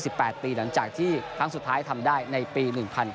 เหมือนจากที่ครั้งสุดท้ายทำได้ในปี๑๙๙๐